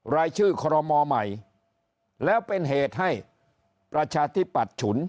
รายชื่อคอรมอใหม่แล้วเป็นเหตุให้ประชาธิปัตย์ฉุน